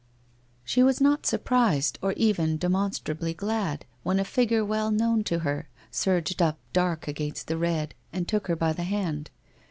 She was not surprised or even demonstrably glad, when a figure well known to her, surged up dark against the red, and took her by the hand.